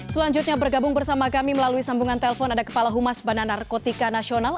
selanjutnya bergabung bersama kami melalui sambungan telpon ada kepala humas bandar narkotika nasional